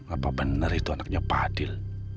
apa benar itu anaknya pak adil